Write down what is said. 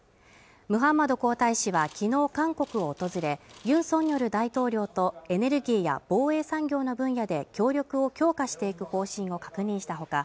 ムハンマド皇太子はきのう韓国を訪れユン・ソンニョル大統領とエネルギーや防衛産業の分野で協力を強化していく方針を確認したほか